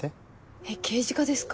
えっ刑事課ですか？